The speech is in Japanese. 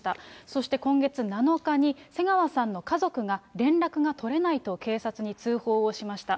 そして今月７日に瀬川さんの家族が、連絡が取れないと警察に通報をしました。